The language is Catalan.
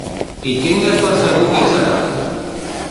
I tingues per segur que hi serà!